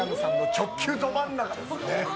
直球ど真ん中ですね。